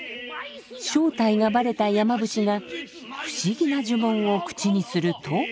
正体がバレた山伏が不思議な呪文を口にすると。